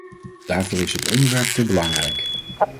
Daarvoor is het onderwerp te belangrijk.